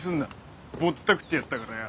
ぼったくってやったからよ。